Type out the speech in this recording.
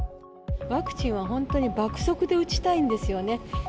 ワクチンは本当に爆速で打ちたいんですよね。